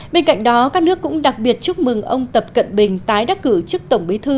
bên cạnh đó các nước cũng đặc biệt chúc mừng ông tập cận bình tái đắc cử chức tổng bí thư